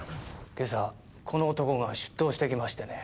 今朝この男が出頭してきましてね。